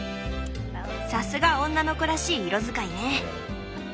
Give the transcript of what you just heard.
さすが女の子らしい色使いね。